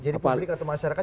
jadi publik atau masyarakat